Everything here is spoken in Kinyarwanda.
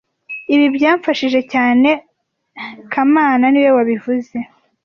Ibi byamfashije cyane kamana niwe wabivuze